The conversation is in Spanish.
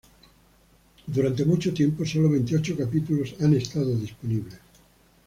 Durante mucho tiempo sólo veintiocho capítulos han estado disponibles.